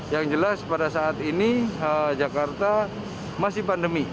yang jelas pada saat ini jakarta masih pandemi